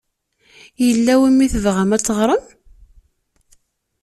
Yella win i wumi tebɣam ad teɣṛem?